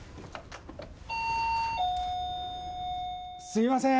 すみません。